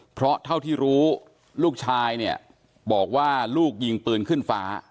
เพราะเท่าที่รู้ลูกชายเนี่ยบอกว่าลูกยิงปืนขึ้นฟ้า